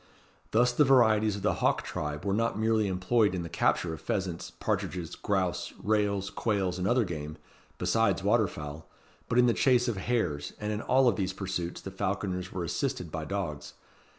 Thus the varieties of the hawk tribe were not merely employed in the capture of pheasants, partridges, grouse, rails, quails, and other game, besides water fowl, but in the chase of hares; and in all of these pursuits the falconers were assisted by dogs.